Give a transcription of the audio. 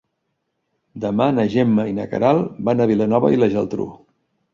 Demà na Gemma i na Queralt van a Vilanova i la Geltrú.